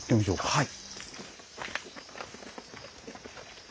はい。